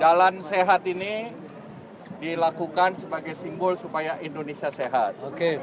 jalan sehat ini dilakukan sebagai simbol supaya indonesia sehat